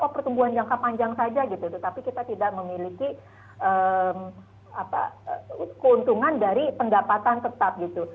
pertumbuhan jangka panjang saja gitu tetapi kita tidak memiliki keuntungan dari pendapatan tetap gitu